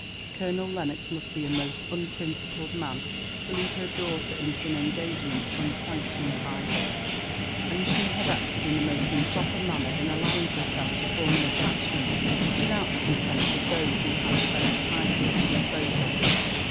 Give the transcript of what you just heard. Colonel Lennox must be a most unprincipled man to lead her daughter into an engagement unsanctioned by her; and she had acted in the most improper manner in allowing herself to form an attachment without the consent of those who had the best title to dispose of her.